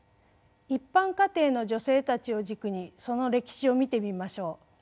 一般家庭の女性たちを軸にその歴史を見てみましょう。